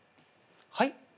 はい？